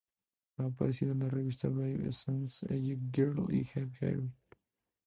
Ha aparecido en la revista "Vibe", "Essence", "Elle Girl" y "Hype Hair".